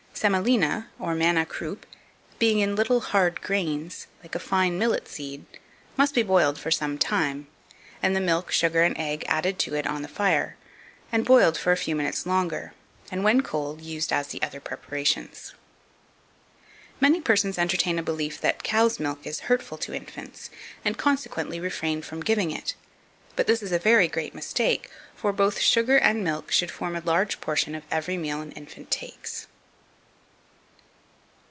2507. Semolina, or manna croup, being in little hard grains, like a fine millet seed, must be boiled for some time, and the milk, sugar, and egg added to it on the fire, and boiled for a few minutes longer, and, when cold, used as the other preparations. 2508. Many persons entertain a belief that cow's milk is hurtful to infants, and, consequently, refrain from giving it; but this is a very great mistake, for both sugar and milk should form a large portion of every meal an infant takes.